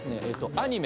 アニメ